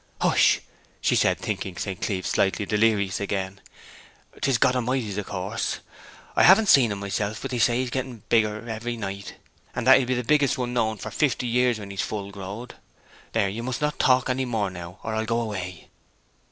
'Hush!' said she, thinking St. Cleeve slightly delirious again. ''Tis God A'mighty's, of course. I haven't seed en myself, but they say he's getting bigger every night, and that he'll be the biggest one known for fifty years when he's full growed. There, you must not talk any more now, or I'll go away.'